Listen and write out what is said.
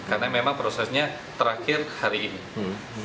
karena memang prosesnya terakhir hari ini